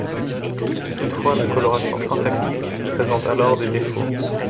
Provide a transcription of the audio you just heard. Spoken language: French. Toutefois la coloration syntaxique présente alors des défauts.